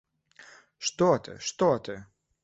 Што ты, што ты!